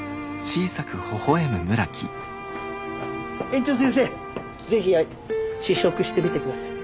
園長先生是非試食してみてください。